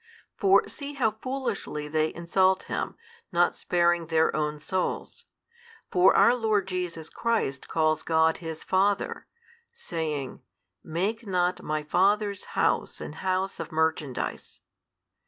|163 For see how foolishly they insult Him, not sparing their own souls. For our Lord Jesus Christ calls God His Father, saying, Make not My Father's House an House of merchandise.